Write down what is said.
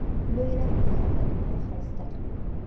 لوی رب دې یې هغه دنیا ښایسته کړي.